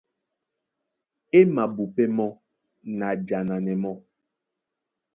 E mabupɛ́ mɔ́ na jananɛ mɔ́,